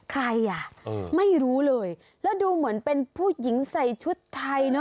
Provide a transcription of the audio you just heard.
ใครอ่ะไม่รู้เลยแล้วดูเหมือนเป็นผู้หญิงใส่ชุดไทยเนอ